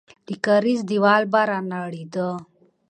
د کارېز دیوال به رانړېده.